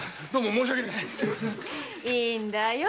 いいんだよ。